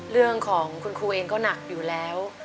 เรื่องของคุณครูเองก็หนักอยู่แล้ว